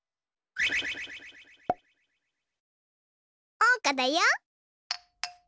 おうかだよ！